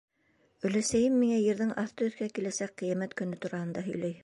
Оләсәй миңә ерҙең аҫты өҫкә киләсәк ҡиәмәт көнө тураһында һөйләй.